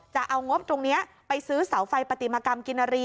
จะเอางบตรงนี้ไปซื้อเสาไฟปฏิมากรรมกินนารี